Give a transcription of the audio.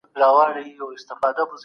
که زه وخت ولرم زه به ورشم.